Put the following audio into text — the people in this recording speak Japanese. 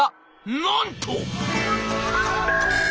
「なんと！」。